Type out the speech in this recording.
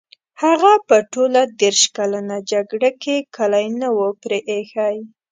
هغه په ټوله دېرش کلنه جګړه کې کلی نه وو پرې ایښی.